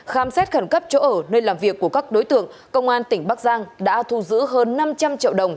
khám xét khẩn cấp chỗ ở nơi làm việc của các đối tượng công an tỉnh bắc giang đã thu giữ hơn năm trăm linh triệu đồng